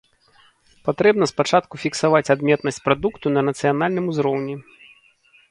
Патрэбна спачатку фіксаваць адметнасць прадукту на нацыянальным узроўні.